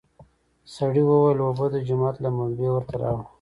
سړي وويل: اوبه د جومات له بمبې ورته راوړه!